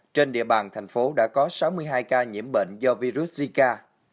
trên địa bàn thành phố đã có sáu mươi hai ca nhiễm bệnh do virus zika